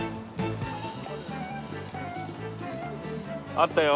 あったよ。